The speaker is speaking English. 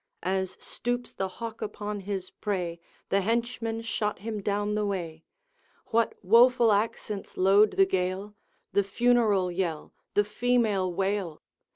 As stoops the hawk upon his prey, The henchman shot him down the way. What woful accents load the gale? The funeral yell, the female wail!